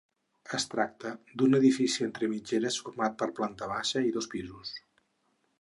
Es tracta d'un edifici entre mitgeres format per planta baixa i dos pisos.